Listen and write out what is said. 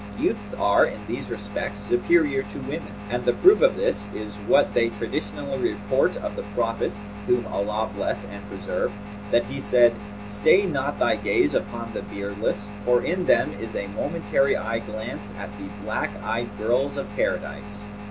Youths are, in these respects superior to women; and the proof of this is what they traditionally report of the Prophet (whom Allah bless and preserve!) that he said, 'Stay not thy gaze upon the beardless, for in them is a momentary eye glance at the black eyed girls of Paradise.'